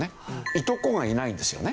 いとこがいないんですよね